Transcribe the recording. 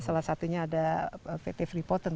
salah satunya ada pt fripot tentunya